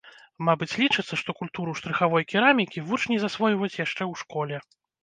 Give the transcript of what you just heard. Мабыць, лічыцца, што культуру штрыхавой керамікі вучні засвойваюць яшчэ ў школе.